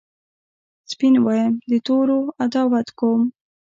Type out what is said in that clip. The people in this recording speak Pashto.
سپین وایم د تورو عداوت کوم